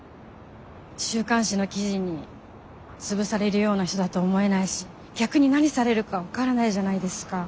週刊誌の記事につぶされるような人だと思えないし逆に何されるか分からないじゃないですか。